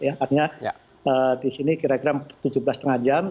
artinya di sini kira kira tujuh belas lima jam